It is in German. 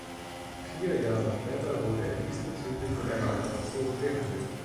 Vier Jahre später wurde er diesbezüglich mit einer Operation behandelt.